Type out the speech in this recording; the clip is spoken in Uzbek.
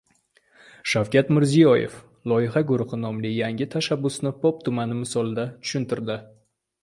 Shavkat Mirziyoyev "Loyiha guruhi" nomli yangi tashabbusni Pop tumani misolida tushuntirdi